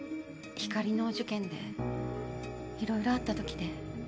光莉のお受験でいろいろあった時で。